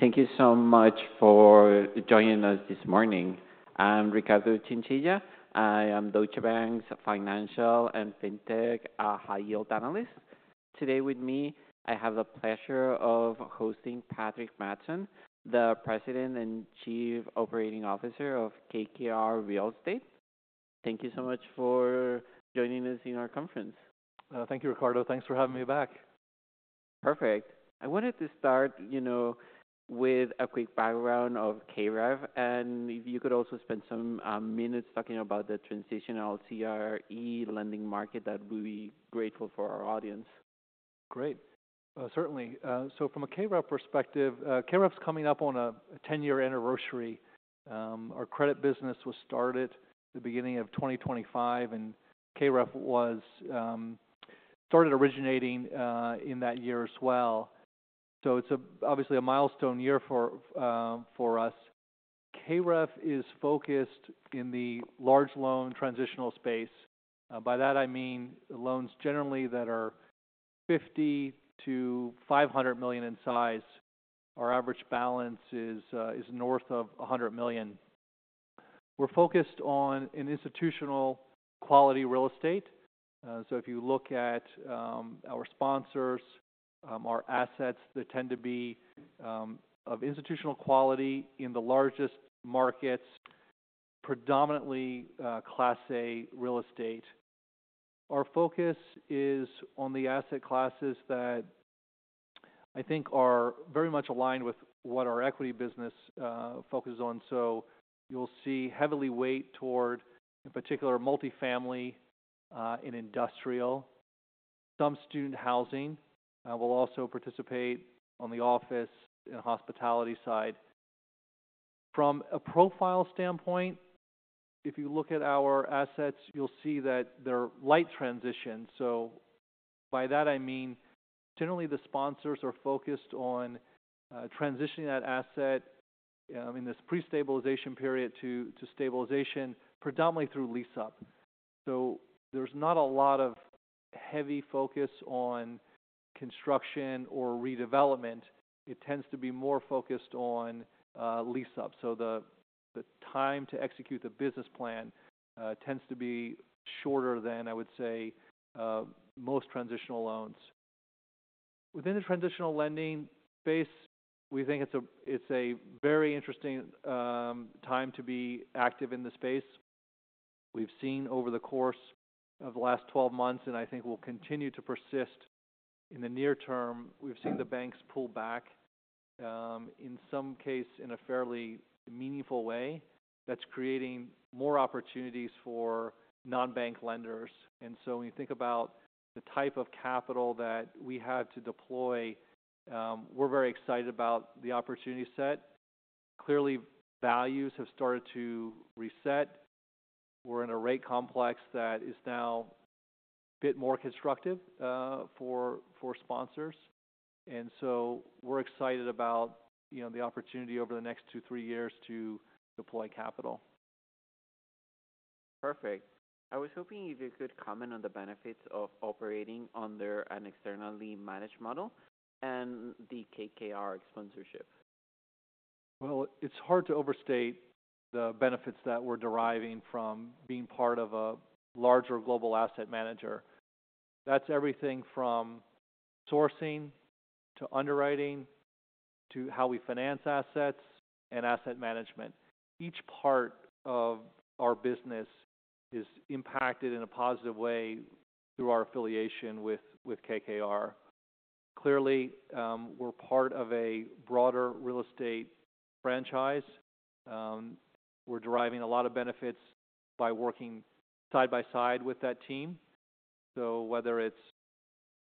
Thank you so much for joining us this morning. I'm Ricardo Chinchilla. I am Deutsche Bank's Financial and Fintech high yield analyst. Today with me, I have the pleasure of hosting Patrick Mattson, the President and Chief Operating Officer of KKR Real Estate. Thank you so much for joining us in our conference. Thank you, Ricardo. Thanks for having me back. Perfect. I wanted to start, you know, with a quick background of KREF, and if you could also spend some minutes talking about the transitional CRE lending market, that would be great for our audience. Great. Certainly. So from a KREF perspective, KREF is coming up on a 10-year anniversary. Our credit business was started at the beginning of 2025, and KREF was started originating in that year as well. So it's obviously a milestone year for us. KREF is focused in the large loan transitional space. By that I mean loans generally that are $50-500 million in size. Our average balance is north of $100 million. We're focused on institutional quality real estate. So if you look at our sponsors, our assets, they tend to be of institutional quality in the largest markets, predominantly Class A real estate. Our focus is on the asset classes that I think are very much aligned with what our equity business focuses on. So you'll see heavily weighted toward, in particular, multifamily and industrial. Some student housing will also participate on the office and hospitality side. From a profile standpoint, if you look at our assets, you'll see that they're light transition. So by that I mean, generally, the sponsors are focused on transitioning that asset in this pre-stabilization period to stabilization, predominantly through lease up. So there's not a lot of heavy focus on construction or redevelopment. It tends to be more focused on lease up. So the time to execute the business plan tends to be shorter than, I would say, most transitional loans. Within the transitional lending space, we think it's a very interesting time to be active in the space. We've seen over the course of the last twelve months, and I think will continue to persist in the near term. We've seen the banks pull back in some cases in a fairly meaningful way. That's creating more opportunities for non-bank lenders. And so when you think about the type of capital that we have to deploy, we're very excited about the opportunity set. Clearly, values have started to reset. We're in a rate complex that is now a bit more constructive for sponsors. And so we're excited about, you know, the opportunity over the next two, three years to deploy capital. Perfect. I was hoping if you could comment on the benefits of operating under an externally managed model and the KKR sponsorship. It's hard to overstate the benefits that we're deriving from being part of a larger global asset manager. That's everything from sourcing, to underwriting, to how we finance assets and asset management. Each part of our business is impacted in a positive way through our affiliation with KKR. Clearly, we're part of a broader real estate franchise. We're deriving a lot of benefits by working side by side with that team, so whether it's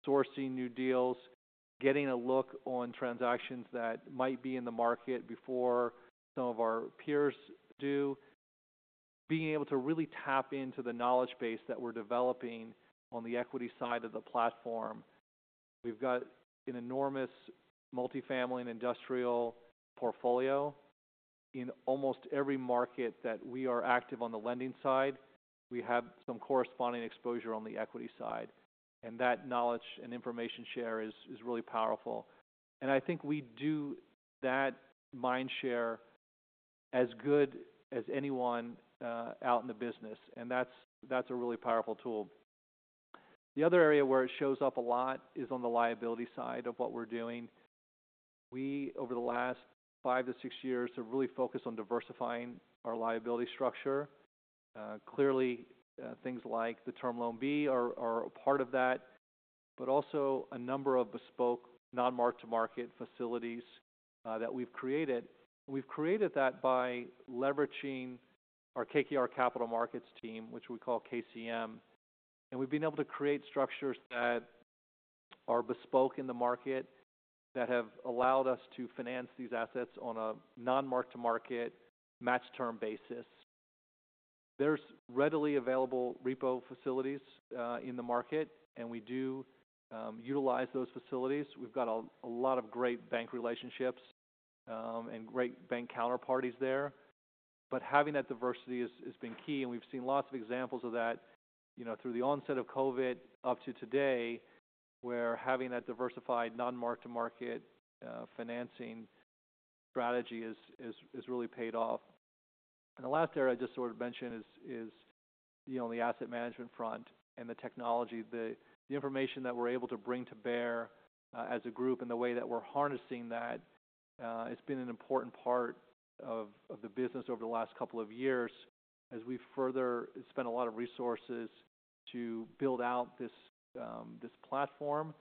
sourcing new deals, getting a look on transactions that might be in the market before some of our peers do, being able to really tap into the knowledge base that we're developing on the equity side of the platform. We've got an enormous multifamily and industrial portfolio. In almost every market that we are active on the lending side, we have some corresponding exposure on the equity side, and that knowledge and information share is really powerful. And I think we do that mind share as good as anyone out in the business, and that's a really powerful tool. The other area where it shows up a lot is on the liability side of what we're doing. We over the last five to six years have really focused on diversifying our liability structure. Clearly, things like the Term Loan B are a part of that, but also a number of bespoke non-mark-to-market facilities that we've created. We've created that by leveraging our KKR Capital Markets team, which we call KCM, and we've been able to create structures that are bespoke in the market, that have allowed us to finance these assets on a non-mark-to-market, match term basis. There's readily available repo facilities in the market, and we do utilize those facilities. We've got a lot of great bank relationships and great bank counterparties there. But having that diversity has been key, and we've seen lots of examples of that, you know, through the onset of COVID up to today, where having that diversified non-mark-to-market financing strategy has really paid off. And the last area I just sort of mention is, you know, on the asset management front and the technology, the information that we're able to bring to bear as a group and the way that we're harnessing that has been an important part of the business over the last couple of years as we further spend a lot of resources to build out this platform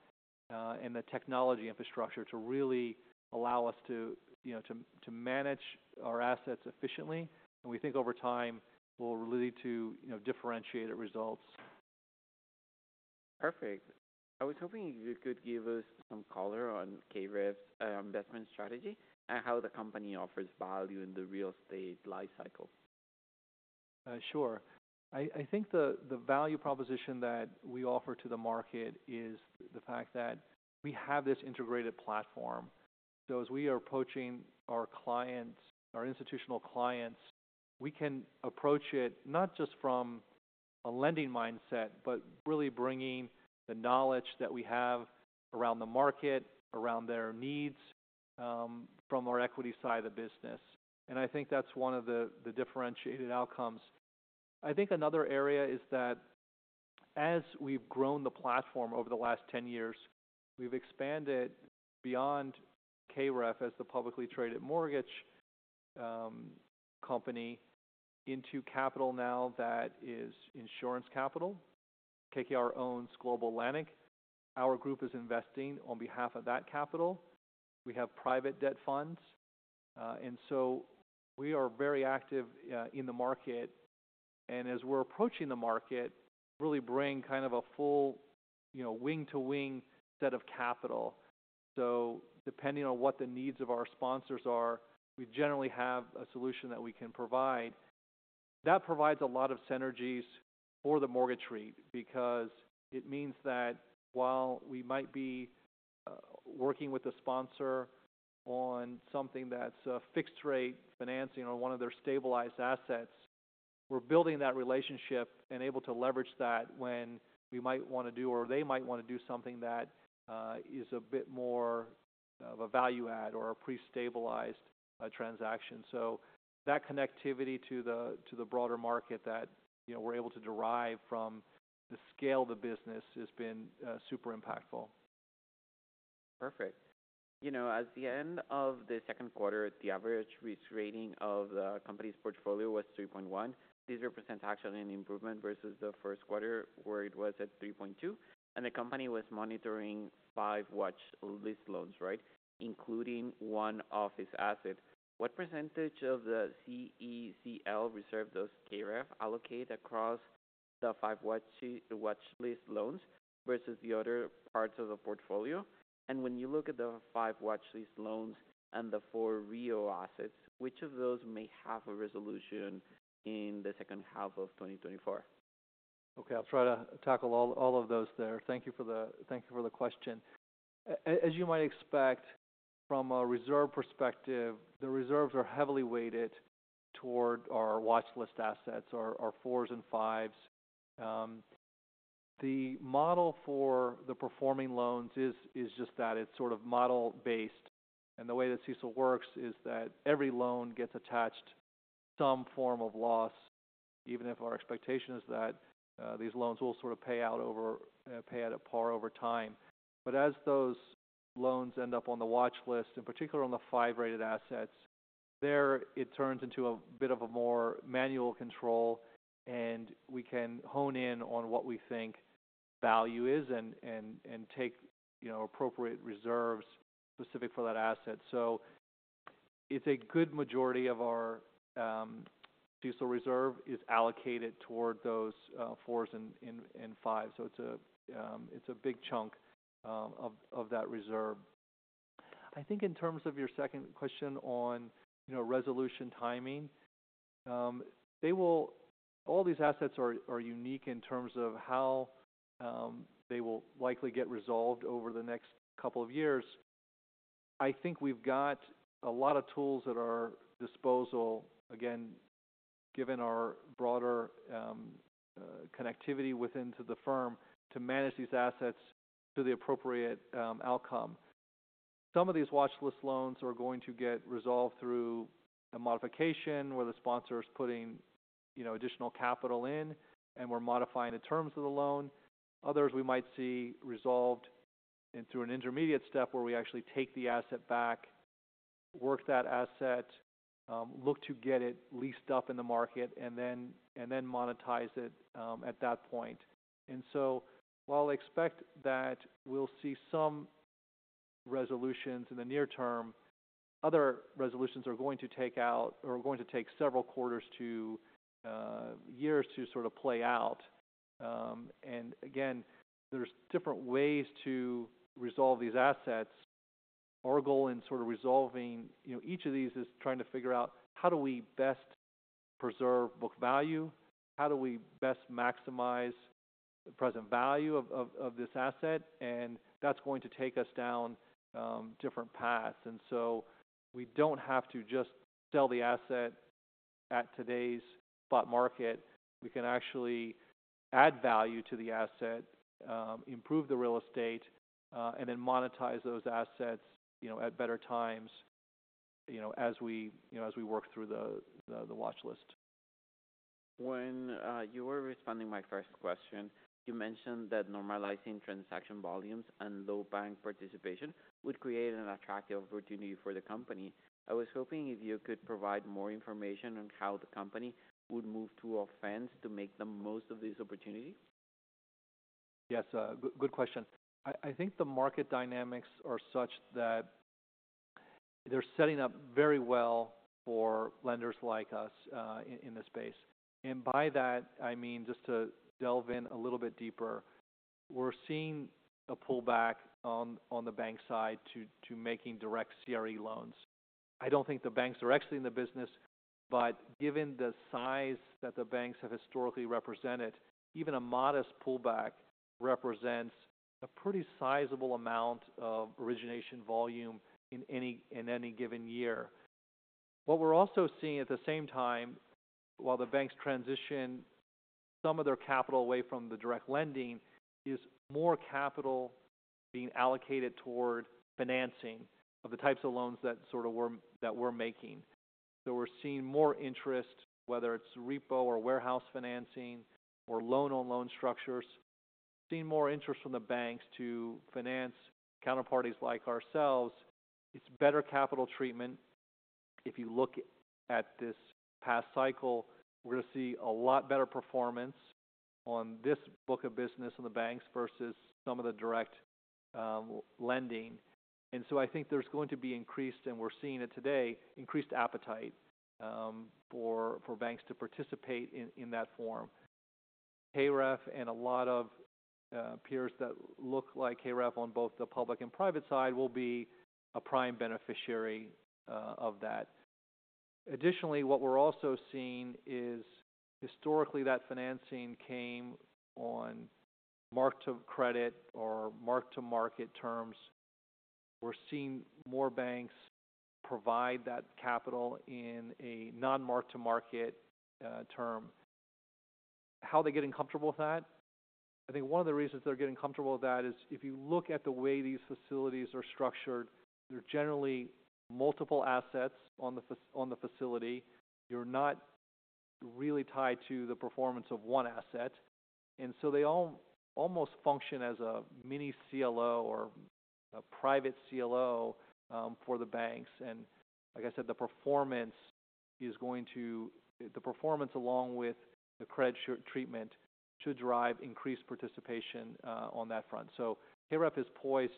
and the technology infrastructure to really allow us to, you know, to manage our assets efficiently. And we think over time, we'll lead to, you know, differentiated results. Perfect. I was hoping you could give us some color on KREF's investment strategy and how the company offers value in the real estate lifecycle. Sure. I think the value proposition that we offer to the market is the fact that we have this integrated platform. So as we are approaching our clients, our institutional clients, we can approach it not just from a lending mindset, but really bringing the knowledge that we have around the market, around their needs, from our equity side of the business. And I think that's one of the differentiated outcomes. I think another area is that as we've grown the platform over the last 10 years, we've expanded beyond KREF as the publicly traded mortgage company into capital now that is insurance capital. KKR owns Global Atlantic. Our group is investing on behalf of that capital. We have private debt funds, and so we are very active in the market. And as we're approaching the market, really bring kind of a full, you know, wing-to-wing set of capital. So depending on what the needs of our sponsors are, we generally have a solution that we can provide. That provides a lot of synergies for the mortgage REIT, because it means that while we might be working with a sponsor on something that's a fixed rate financing or one of their stabilized assets, we're building that relationship and able to leverage that when we might want to do, or they might want to do something that is a bit more of a value add or a pre-stabilized transaction. So that connectivity to the broader market that, you know, we're able to derive from the scale of the business has been super impactful. Perfect. You know, at the end of the second quarter, the average risk rating of the company's portfolio was 3.1. These represent actually an improvement versus the first quarter, where it was at 3.2, and the company was monitoring five watchlist loans, right? Including one office asset. What percentage of the CECL reserve does KREF allocate across the five watchlist loans versus the other parts of the portfolio? And when you look at the five watchlist loans and the four REO assets, which of those may have a resolution in the second half of 2024? Okay, I'll try to tackle all of those there. Thank you for the question. As you might expect from a reserve perspective, the reserves are heavily weighted toward our watchlist assets, our fours and fives. The model for the performing loans is just that, it's sort of model based, and the way that CECL works is that every loan gets attached some form of loss, even if our expectation is that these loans will sort of pay out at par over time. But as those loans end up on the watchlist, in particular on the five-rated assets, there it turns into a bit of a more manual control, and we can hone in on what we think value is and take, you know, appropriate reserves specific for that asset. So it's a good majority of our CECL reserve is allocated toward those fours and fives. So it's a big chunk of that reserve. I think in terms of your second question on, you know, resolution timing, all these assets are unique in terms of how they will likely get resolved over the next couple of years. I think we've got a lot of tools at our disposal, again, given our broader connectivity within the firm, to manage these assets to the appropriate outcome. Some of these watchlist loans are going to get resolved through a modification, where the sponsor is putting, you know, additional capital in, and we're modifying the terms of the loan. Others we might see resolved into an intermediate step where we actually take the asset back, work that asset, look to get it leased up in the market, and then monetize it at that point. And so, while I expect that we'll see some resolutions in the near term, other resolutions are going to take out or are going to take several quarters to years to sort of play out. And again, there's different ways to resolve these assets. Our goal in sort of resolving, you know, each of these, is trying to figure out how do we best preserve book value? How do we best maximize the present value of this asset, and that's going to take us down different paths. And so we don't have to just sell the asset at today's spot market. We can actually add value to the asset, improve the real estate, and then monetize those assets, you know, at better times, you know, as we work through the watch list. When you were responding my first question, you mentioned that normalizing transaction volumes and low bank participation would create an attractive opportunity for the company. I was hoping if you could provide more information on how the company would move to offense to make the most of this opportunity. Yes, good, good question. I think the market dynamics are such that they're setting up very well for lenders like us, in the space. And by that, I mean, just to delve in a little bit deeper, we're seeing a pullback on the bank side to making direct CRE loans. I don't think the banks are exiting the business, but given the size that the banks have historically represented, even a modest pullback represents a pretty sizable amount of origination volume in any given year. What we're also seeing at the same time, while the banks transition some of their capital away from the direct lending, is more capital being allocated toward financing of the types of loans that we're making. So we're seeing more interest, whether it's repo or warehouse financing or loan-on-loan structures. We're seeing more interest from the banks to finance counterparties like ourselves. It's better capital treatment. If you look at this past cycle, we're going to see a lot better performance on this book of business on the banks versus some of the direct lending. And so I think there's going to be increased, and we're seeing it today, increased appetite for banks to participate in that form. KREF and a lot of peers that look like KREF on both the public and private side will be a prime beneficiary of that. Additionally, what we're also seeing is historically, that financing came on mark-to-credit or mark-to-market terms. We're seeing more banks provide that capital in a non-mark-to-market term. How are they getting comfortable with that? I think one of the reasons they're getting comfortable with that is if you look at the way these facilities are structured, they're generally multiple assets on the facility. You're not really tied to the performance of one asset, and so they all almost function as a mini CLO or a private CLO for the banks. And like I said, the performance is going to. The performance, along with the credit sheet treatment, should drive increased participation on that front. So KREF is poised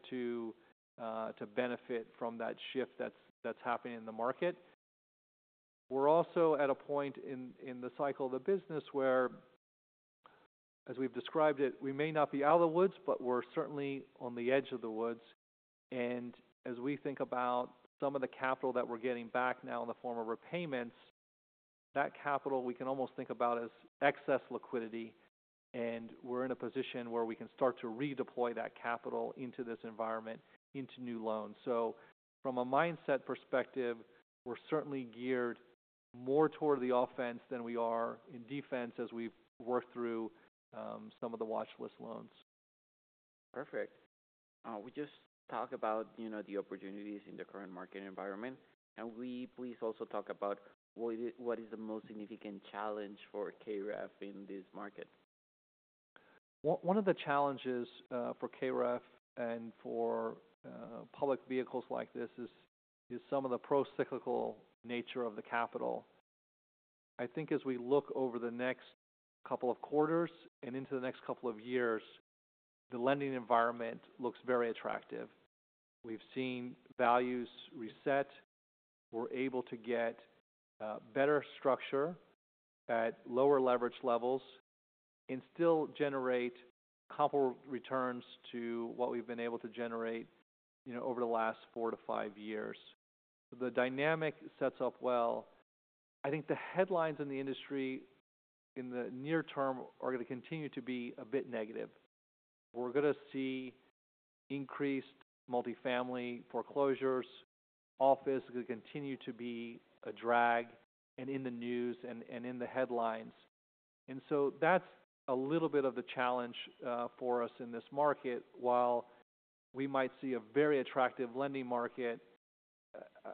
to benefit from that shift that's happening in the market. We're also at a point in the cycle of the business where, as we've described it, we may not be out of the woods, but we're certainly on the edge of the woods. And as we think about some of the capital that we're getting back now in the form of repayments, that capital we can almost think about as excess liquidity, and we're in a position where we can start to redeploy that capital into this environment, into new loans. So from a mindset perspective, we're certainly geared more toward the offense than we are in defense as we work through some of the watchlist loans. Perfect. We just talked about, you know, the opportunities in the current market environment. Can we please also talk about what is the most significant challenge for KREF in this market? One of the challenges for KREF and for public vehicles like this is some of the procyclical nature of the capital. I think as we look over the next couple of quarters and into the next couple of years, the lending environment looks very attractive. We've seen values reset. We're able to get better structure at lower leverage levels and still generate comparable returns to what we've been able to generate, you know, over the last four to five years. The dynamic sets up well. I think the headlines in the industry in the near term are going to continue to be a bit negative. We're going to see increased multifamily foreclosures. Office is going to continue to be a drag and in the news and in the headlines. And so that's a little bit of the challenge for us in this market. While we might see a very attractive lending market,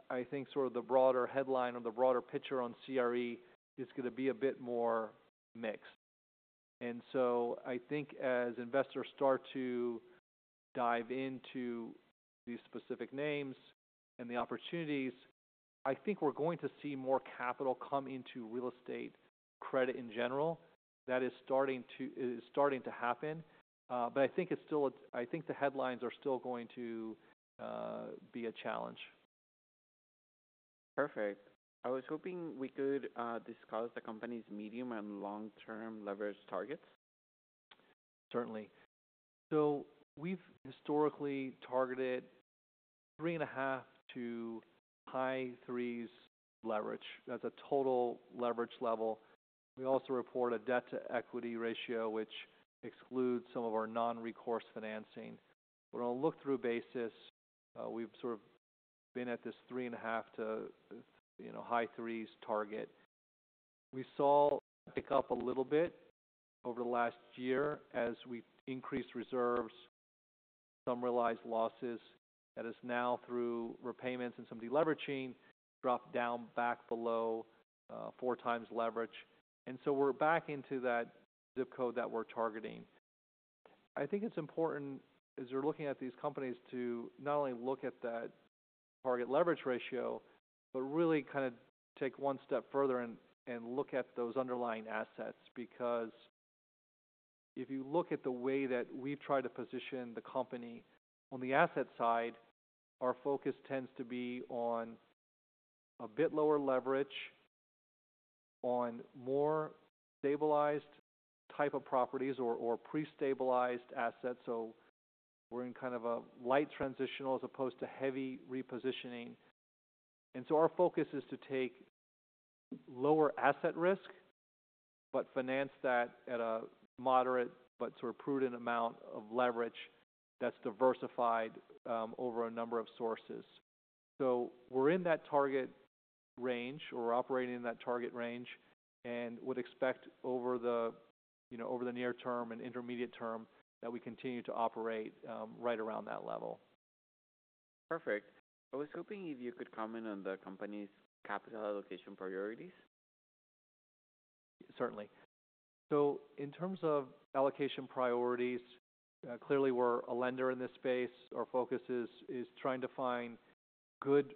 I think sort of the broader headline or the broader picture on CRE is going to be a bit more mixed. And so I think as investors start to dive into these specific names and the opportunities, I think we're going to see more capital come into real estate credit in general. That is starting to happen, but I think it's still a challenge. I think the headlines are still going to be a challenge. Perfect. I was hoping we could discuss the company's medium- and long-term leverage targets. Certainly. So we've historically targeted three and a half to high threes leverage. That's a total leverage level. We also report a debt-to-equity ratio, which excludes some of our non-recourse financing. But on a look-through basis, we've sort of been at this three and a half to, you know, high threes target. We saw a pick-up a little bit over the last year as we increased reserves, some realized losses. That is now through repayments and some deleveraging, dropped down back below four times leverage. And so we're back into that zip code that we're targeting. I think it's important, as we're looking at these companies, to not only look at that target leverage ratio, but really kind of take one step further and look at those underlying assets. Because if you look at the way that we've tried to position the company, on the asset side, our focus tends to be on a bit lower leverage, on more stabilized type of properties or, or pre-stabilized assets. So we're in kind of a light transitional as opposed to heavy repositioning. And so our focus is to take lower asset risk, but finance that at a moderate but sort of prudent amount of leverage that's diversified, over a number of sources. So we're in that target range, or we're operating in that target range, and would expect over the, you know, over the near term and intermediate term, that we continue to operate, right around that level. Perfect. I was hoping if you could comment on the company's capital allocation priorities? Certainly. So in terms of allocation priorities, clearly we're a lender in this space. Our focus is trying to find good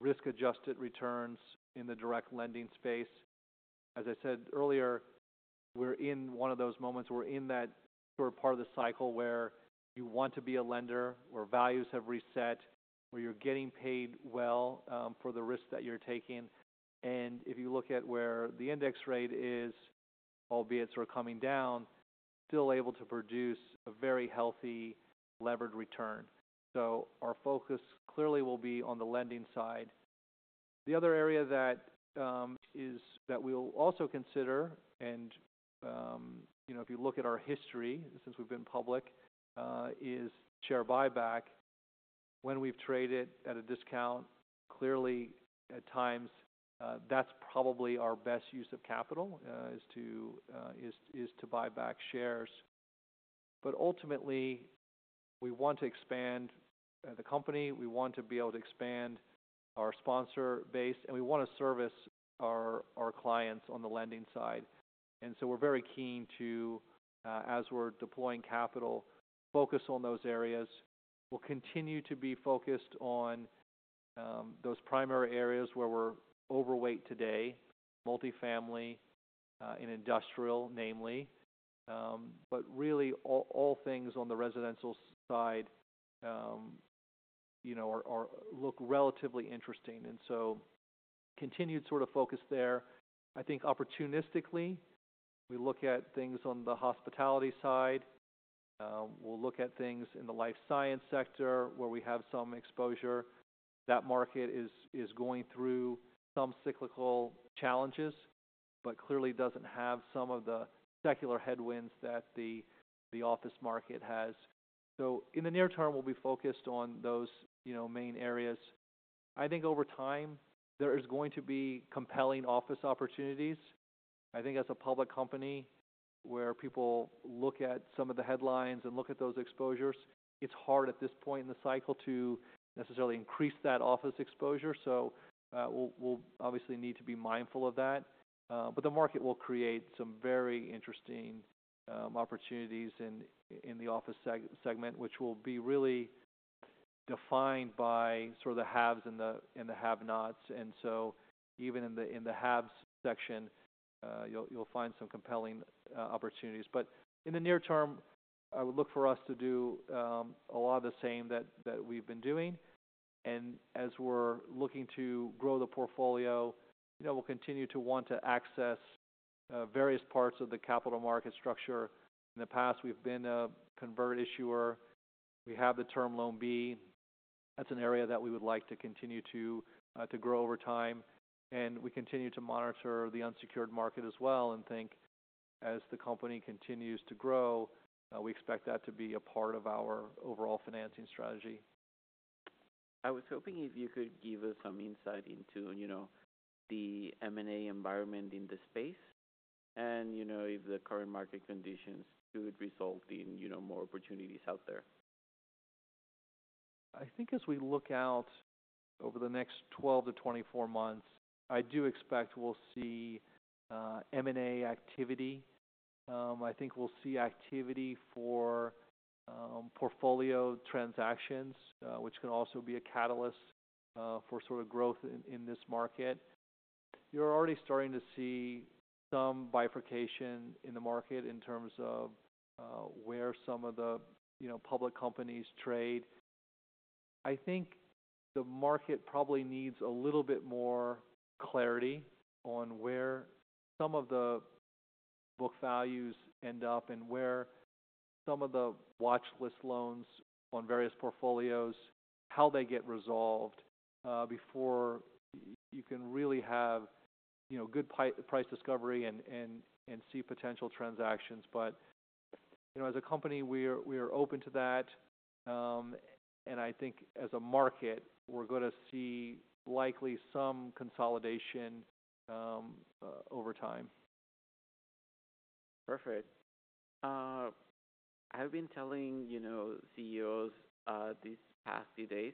risk-adjusted returns in the direct lending space. As I said earlier, we're in one of those moments. We're in that sort of part of the cycle where you want to be a lender, where values have reset, where you're getting paid well, for the risk that you're taking. And if you look at where the index rate is, albeit sort of coming down, still able to produce a very healthy levered return. So our focus clearly will be on the lending side. The other area that we'll also consider, and, you know, if you look at our history since we've been public, is share buyback. When we've traded at a discount, clearly, at times, that's probably our best use of capital is to buy back shares, but ultimately, we want to expand the company, we want to be able to expand our sponsor base, and we want to service our clients on the lending side, and so we're very keen to, as we're deploying capital, focus on those areas. We'll continue to be focused on those primary areas where we're overweight today: multifamily in industrial, namely, but really, all things on the residential side, you know, look relatively interesting, and so continued sort of focus there. I think opportunistically, we look at things on the hospitality side. We'll look at things in the life science sector where we have some exposure. That market is going through some cyclical challenges, but clearly doesn't have some of the secular headwinds that the office market has. So in the near term, we'll be focused on those, you know, main areas. I think over time, there is going to be compelling office opportunities. I think as a public company, where people look at some of the headlines and look at those exposures, it's hard at this point in the cycle to necessarily increase that office exposure. So, we'll obviously need to be mindful of that. But the market will create some very interesting opportunities in the office segment, which will be really defined by sort of the haves and the have-nots. And so even in the haves section, you'll find some compelling opportunities. But in the near term, I would look for us to do a lot of the same that we've been doing. And as we're looking to grow the portfolio, you know, we'll continue to want to access various parts of the capital market structure. In the past, we've been a convert issuer. We have the Term Loan B. That's an area that we would like to continue to grow over time, and we continue to monitor the unsecured market as well, and think as the company continues to grow, we expect that to be a part of our overall financing strategy. I was hoping if you could give us some insight into, you know, the M&A environment in this space, and, you know, if the current market conditions could result in, you know, more opportunities out there? I think as we look out over the next twelve to twenty-four months, I do expect we'll see M&A activity. I think we'll see activity for portfolio transactions, which can also be a catalyst for sort of growth in this market. You're already starting to see some bifurcation in the market in terms of where some of the, you know, public companies trade. I think the market probably needs a little bit more clarity on where some of the book values end up and where some of the watchlist loans on various portfolios, how they get resolved before you can really have, you know, good price discovery and see potential transactions, but you know, as a company, we are open to that. And I think as a market, we're going to see likely some consolidation, over time. Perfect. I've been telling, you know, CEOs, these past few days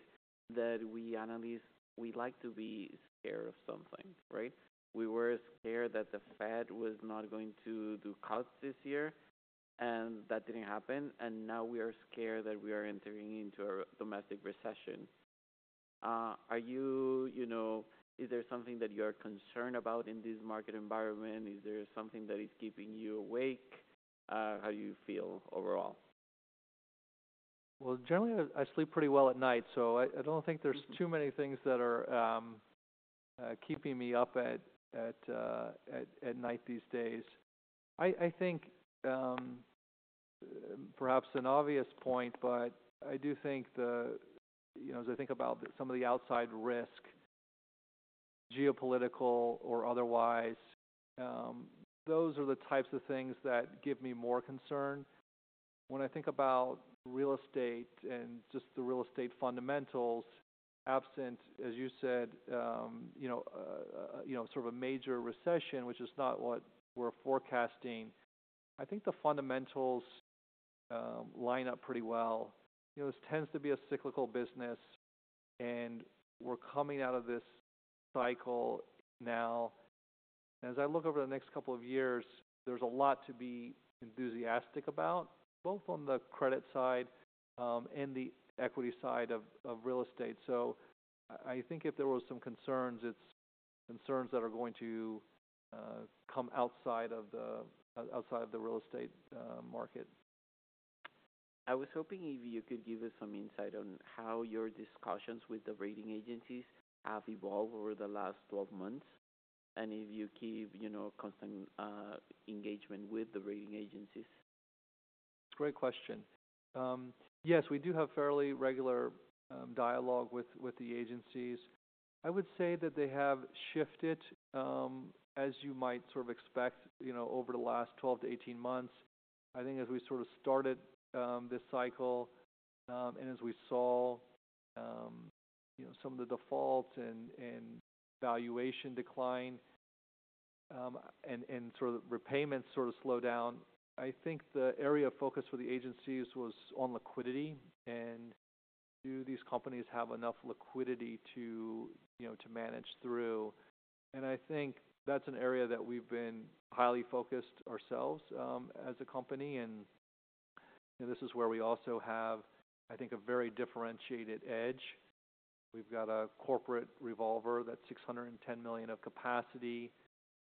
that we analysts, we like to be scared of something, right? We were scared that the Fed was not going to do cuts this year, and that didn't happen, and now we are scared that we are entering into a domestic recession. Are you, you know? Is there something that you are concerned about in this market environment? Is there something that is keeping you awake? How you feel overall? Generally, I sleep pretty well at night, so I don't think there's too many things that are keeping me up at night these days. I think, perhaps an obvious point, but I do think the... You know, as I think about some of the outside risk, geopolitical or otherwise, those are the types of things that give me more concern. When I think about real estate and just the real estate fundamentals, absent, as you said, you know, sort of a major recession, which is not what we're forecasting, I think the fundamentals line up pretty well. You know, this tends to be a cyclical business, and we're coming out of this cycle now. As I look over the next couple of years, there's a lot to be enthusiastic about, both on the credit side, and the equity side of real estate. So I think if there were some concerns, it's concerns that are going to come outside of the real estate market. I was hoping if you could give us some insight on how your discussions with the rating agencies have evolved over the last twelve months, and if you keep, you know, constant engagement with the rating agencies? Great question. Yes, we do have fairly regular dialogue with the agencies. I would say that they have shifted as you might sort of expect, you know, over the last twelve to eighteen months. I think as we sort of started this cycle and as we saw you know some of the default and valuation decline and sort of repayments sort of slow down, I think the area of focus for the agencies was on liquidity, and do these companies have enough liquidity to you know to manage through? And I think that's an area that we've been highly focused ourselves as a company, and this is where we also have, I think, a very differentiated edge. We've got a corporate revolver that's $610 million of capacity,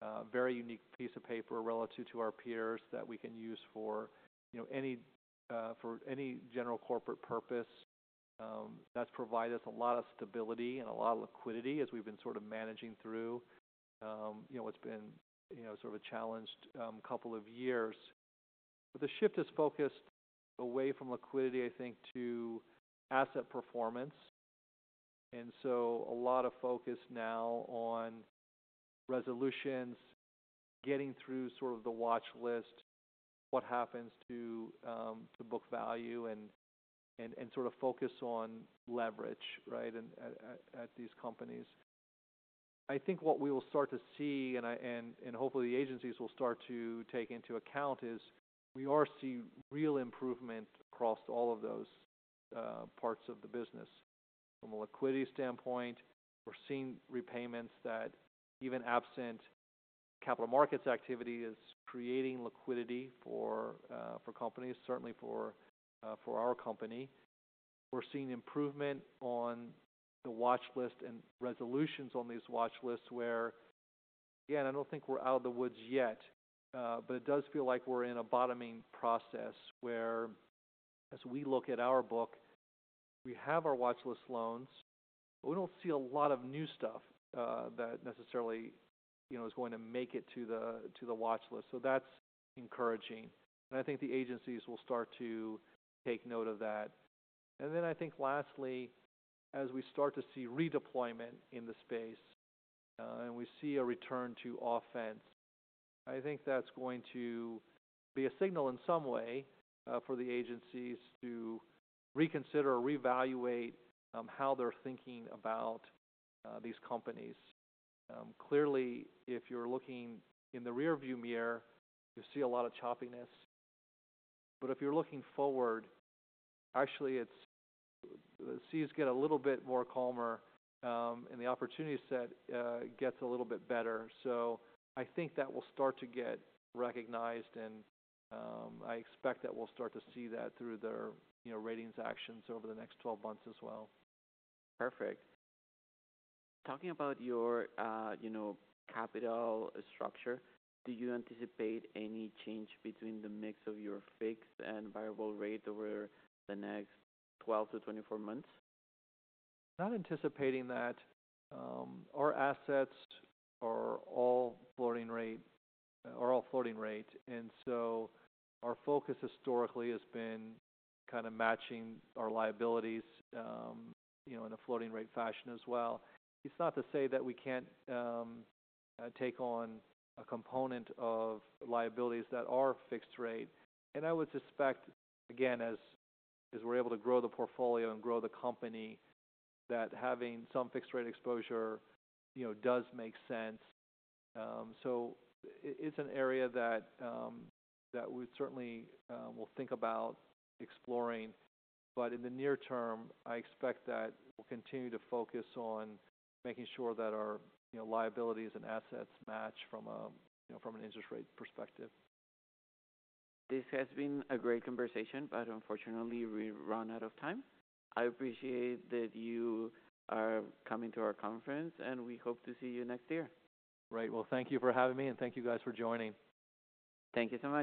a very unique piece of paper relative to our peers, that we can use for, you know, any, for any general corporate purpose. That's provided us a lot of stability and a lot of liquidity as we've been sort of managing through, you know, what's been, you know, sort of a challenged couple of years. But the shift is focused away from liquidity, I think, to asset performance, and so a lot of focus now on resolutions, getting through sort of the watchlist, what happens to, to book value, and sort of focus on leverage, right, at these companies. I think what we will start to see, and I... And hopefully the agencies will start to take into account is we are seeing real improvement across all of those parts of the business. From a liquidity standpoint, we're seeing repayments that even absent capital markets activity is creating liquidity for companies, certainly for our company. We're seeing improvement on the watchlist and resolutions on these watchlists where, again, I don't think we're out of the woods yet, but it does feel like we're in a bottoming process where as we look at our book, we have our watchlist loans, but we don't see a lot of new stuff that necessarily, you know, is going to make it to the watchlist. So that's encouraging, and I think the agencies will start to take note of that. And then I think lastly, as we start to see redeployment in the space, and we see a return to offense, I think that's going to be a signal in some way, for the agencies to reconsider or reevaluate, how they're thinking about, these companies. Clearly, if you're looking in the rearview mirror, you see a lot of choppiness. But if you're looking forward, actually, it's the seas get a little bit more calmer, and the opportunity set, gets a little bit better. So I think that will start to get recognized, and, I expect that we'll start to see that through their, you know, ratings actions over the next twelve months as well. Perfect. Talking about your, you know, capital structure, do you anticipate any change between the mix of your fixed and variable rate over the next 12 to 24 months? Not anticipating that. Our assets are all floating rate, and so our focus historically has been kind of matching our liabilities, you know, in a floating rate fashion as well. It's not to say that we can't take on a component of liabilities that are fixed rate. And I would suspect, again, as we're able to grow the portfolio and grow the company, that having some fixed rate exposure, you know, does make sense. So it's an area that we certainly will think about exploring. But in the near term, I expect that we'll continue to focus on making sure that our, you know, liabilities and assets match from a, you know, from an interest rate perspective. This has been a great conversation, but unfortunately, we've run out of time. I appreciate that you are coming to our conference, and we hope to see you next year. Great. Well, thank you for having me, and thank you guys for joining. Thank you so much.